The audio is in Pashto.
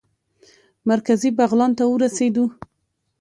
مرکزي بغلان ته ورسېدو.